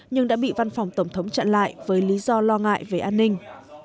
nhưng đã bị văn phòng tổng thống chặn lại với lý do lo ngại về an ninh